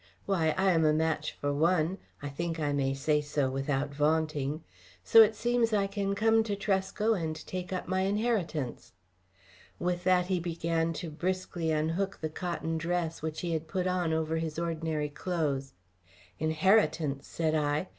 Why, I am a match for one I think I may say so without vaunting so it seems I can come to Tresco and take up my inheritance." With that he began briskly to unhook the cotton dress which he had put on over his ordinary clothes. "Inheritance!" said I.